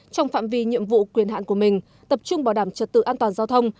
trong phạm vi nhiệm vụ quyền hạn của mình tập trung bảo đảm trật tự an toàn giao thông